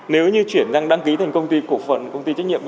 nếu như chuyển sang đăng ký thành công ty cổ phần công ty trách nhiệm